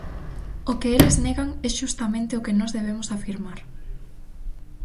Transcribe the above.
O que eles negan é xustamente o que nós debemos afirmar.